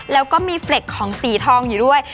แล้วก็มีเฟรกของสีทองอยู่ด้วย